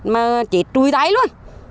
mà chết trùi đáy luôn